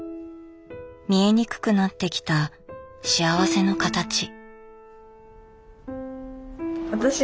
見えにくくなってきた幸せのかたち。